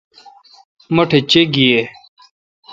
مٹھ چے° گی یے°